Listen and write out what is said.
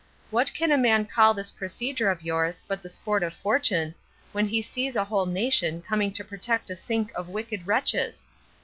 What can a man call this procedure of yours but the sport of fortune, when he sees a whole nation coming to protect a sink of wicked wretches?